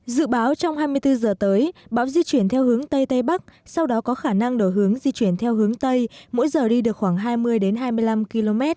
dự báo trong hai mươi bốn giờ tới bão di chuyển theo hướng tây tây bắc sau đó có khả năng đổi hướng di chuyển theo hướng tây mỗi giờ đi được khoảng hai mươi hai mươi năm km